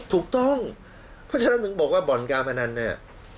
ถูกต้องเพราะฉะนั้นถึงบอกว่าบ่อนการพนันเนี่ย